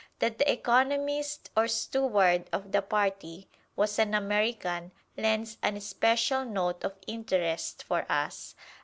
That the "Economist" or steward of the party was an American lends an especial note of interest for us.